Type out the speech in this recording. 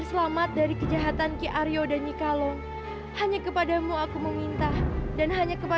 sampai jumpa di video selanjutnya